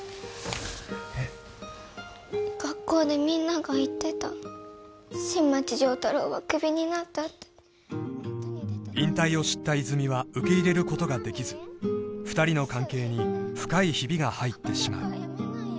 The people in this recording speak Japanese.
えっ学校でみんなが言ってた新町亮太郎はクビになったって引退を知った泉実は受け入れることができず２人の関係に深いヒビが入ってしまう